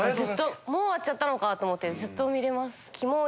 もう終わっちゃったのかと思ってずっと見れます。